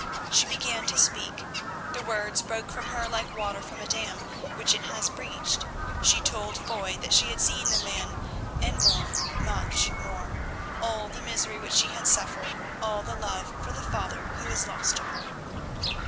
She began to speak; the words broke from her like water from a dam which it has breached. She told Foy that she had seen the man, and more—much more. All the misery which she had suffered, all the love for the father who was lost to her.